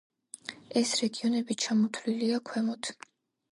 ეს რეგიონები ჩამოთვლილია ქვემოთ.